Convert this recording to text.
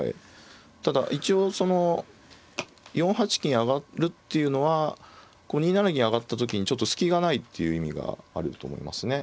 ただ一応その４八金上っていうのは２七銀上がった時にちょっと隙がないっていう意味があると思いますね。